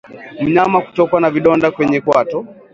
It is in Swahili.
Mnyama kutokwa na vidonda kwenye kwato